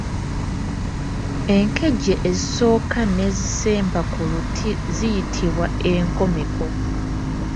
Enkejje ezisooka n’ezisemba ku luti ziyitbwa Enkomeko.